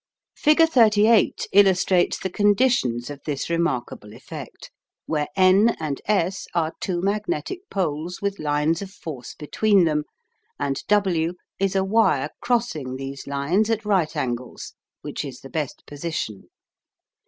Figure 38 illustrates the conditions of this remarkable effect, where N and S are two magnetic poles with lines of force between them, and W is a wire crossing these lines at right angles, which is the best position.